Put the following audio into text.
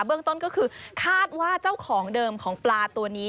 เรื่องต้นก็คือคาดว่าเจ้าของเดิมของปลาตัวนี้